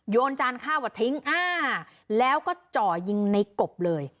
จานข้าวมาทิ้งแล้วก็จ่อยิงในกบเลย